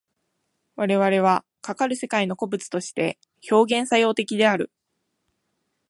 我々はかかる世界の個物として表現作用的である。